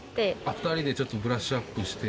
２人でブラッシュアップして。